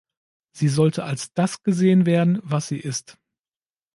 Sie sollte als das gesehen werden, was sie ist.